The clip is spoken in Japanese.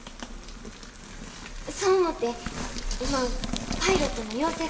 そう思て今パイロットの養成